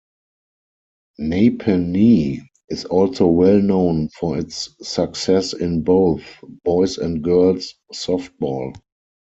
Napanee is also well known for its success in both boys and girls softball.